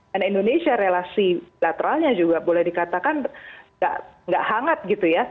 dan indonesia relasi lateralnya juga boleh dikatakan nggak hangat gitu ya